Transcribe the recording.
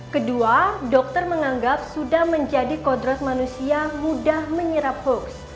kedua dokter menganggap sudah menjadi kodros manusia mudah menyerap hoax